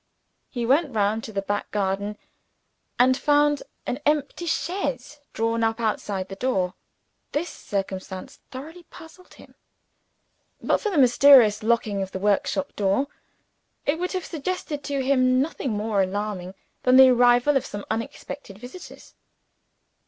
He went round to the back garden, and found an empty chaise drawn up outside the door. This circumstance thoroughly puzzled him. But for the mysterious locking of the workshop door, it would have suggested to him nothing more alarming than the arrival of some unexpected visitors.